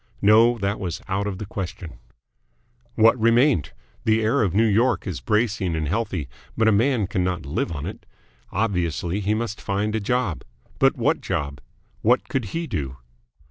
No, that was out of the question. What remained? The air of New York is bracing and healthy, but a man cannot live on it. Obviously he must find a job. But what job? What could he do?